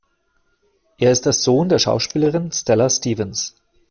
Er ist der Sohn der Schauspielerin Stella Stevens.